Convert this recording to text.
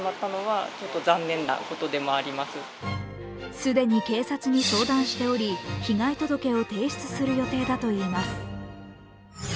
既に警察に相談しており被害届を提出する予定だといいます。